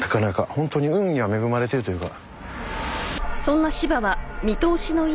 ホントに運には恵まれてるというか。